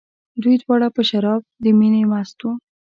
دوی دواړه په شراب د مینې مست وو.